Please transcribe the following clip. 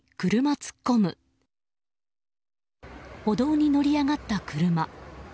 歩道に乗り上がった車。